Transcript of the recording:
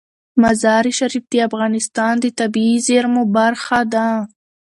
مزارشریف د افغانستان د طبیعي زیرمو برخه ده.